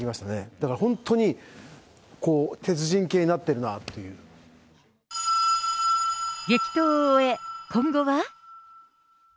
だから本当に、激闘を終え、今後は。